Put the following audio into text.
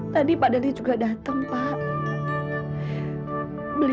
bapak sudah gak boleh manggal di halte tempat biasa